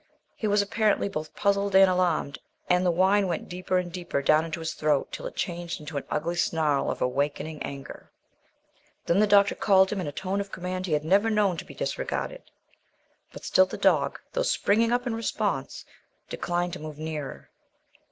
He was, apparently, both puzzled and alarmed, and the whine went deeper and deeper down into his throat till it changed into an ugly snarl of awakening anger. Then the doctor called to him in a tone of command he had never known to be disregarded; but still the dog, though springing up in response, declined to move nearer.